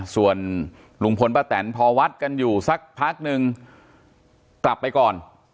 ส่วนลุงพลป้าแตนพอวัดกันอยู่สักพักนึงกลับไปก่อน